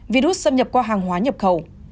virus xâm nhập qua hàng hóa nhập khẩu